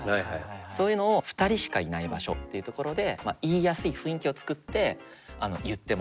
そういうのを２人しかいない場所っていう所で言いやすい雰囲気を作って言ってもらう。